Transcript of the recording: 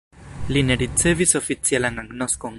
Li ne ricevis oficialan agnoskon.